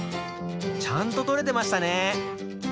ちゃんと撮れてましたね。